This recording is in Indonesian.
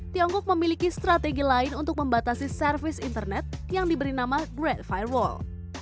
tiongkok memiliki strategi lain untuk membatasi servis internet yang diberi nama grade firewall